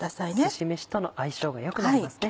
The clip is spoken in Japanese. すし飯との相性が良くなりますね。